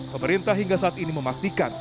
pemerintah hingga saat ini memastikan